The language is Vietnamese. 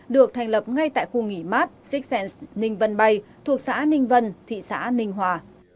được thành lập ngay tại khu nghỉ mát dixxens ninh vân bay thuộc xã ninh vân thị xã ninh hòa